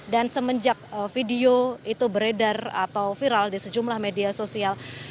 dan semenjak video itu beredar atau viral di sejumlah media sosial